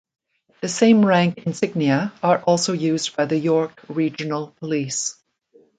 The same rank insignia are also used by the York Regional Police.